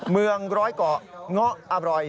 เมืองร้อยเกาะเงาะอร่อย